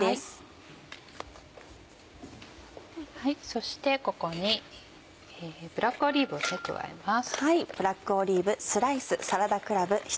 そしてここにブラックオリーブを加えます。